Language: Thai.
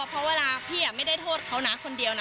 เพราะเวลาพี่ไม่ได้โทษเขานะคนเดียวนะ